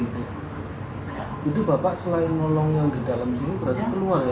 jadi bapak selain nolong yang di dalam sini berarti keluar ya